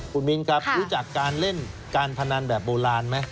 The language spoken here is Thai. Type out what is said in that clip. คุณมิ้นครับรู้จักการเล่นการพนันแบบโบราณไหม